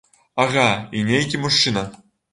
Ага, і нейкі мужчына.